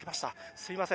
すみません。